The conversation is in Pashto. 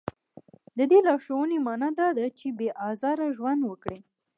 د دې لارښوونې معنا دا ده چې بې ازاره ژوند وکړي.